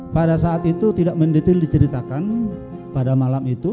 pada saat itu tidak mendetail diceritakan pada malam itu